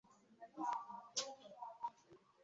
kuyisokoza ikaryama mumugongo